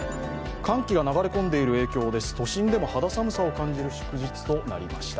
寒気が流れ込んでいる影響で、都心でも肌寒さを感じる祝日となりました。